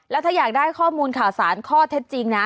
แล้วถ้าอยากได้ข้อมูลข่าวสารข้อเท็จจริงนะ